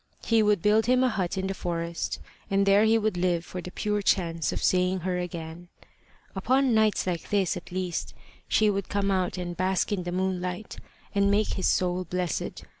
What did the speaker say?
He would build him a hut in the forest, and there he would live for the pure chance of seeing her again. Upon nights like this at least she would come out and bask in the moonlight, and make his soul blessed.